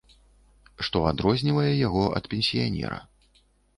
Што адрознівае яго ад пенсіянера.